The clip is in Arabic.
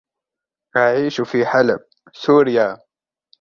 أعيش في حلب، سوريا.